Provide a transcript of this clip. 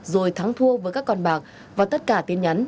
rồi thắng thua với các con bạc và tất cả tin nhắn